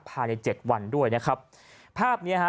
ภายในเจ็ดวันด้วยนะครับภาพเนี้ยฮะ